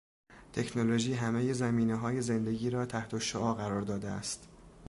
تکنولوژی همهی زمینههای زندگی را تحتالشعاع قرار داده است.